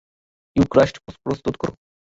Eucharist প্রস্তুত করো।